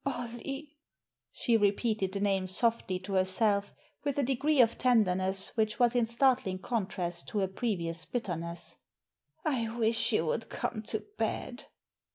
Ollie!" she repeated the name softly to herself, with a degree of tenderness which was in startling contrast to her previous bitterness. " I wish you would come to bed."